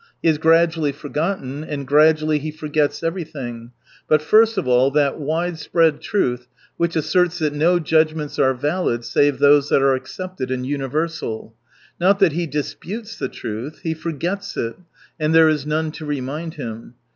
He is gradually forgotten, and gradually he forgets everything — but first of all, that widespread truth which asserts that no judgments are valid save those that are accepted and universal. Not that he disputes the truth : he forgets it, and there is none to remind him.